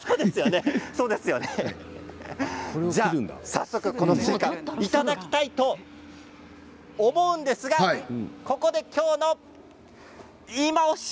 早速、このスイカいただきたいと思うんですがここで、きょうのいまオシ！